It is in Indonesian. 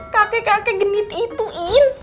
kakek kakek genit itu iin